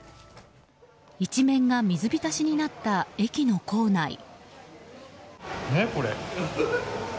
一面が水浸しになった駅の構内。